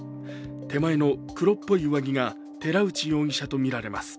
手前の黒っぽい上着が寺内容疑者とみられます。